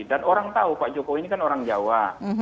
dan orang tahu pak jokowi ini kan orang jawa